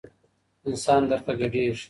انسانان درته ګډیږي